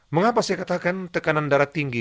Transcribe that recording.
mengapa saya katakan tekanan darah tinggi